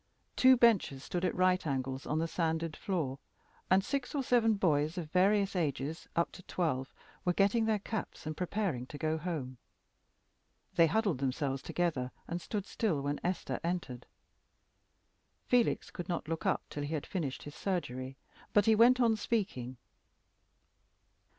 Two benches stood at right angles on the sanded floor, and six or seven boys of various ages up to twelve were getting their caps and preparing to go home. They huddled themselves together and stood still when Esther entered. Felix could not look up till he had finished his surgery, but he went on speaking.